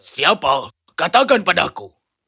siapa katakan padaku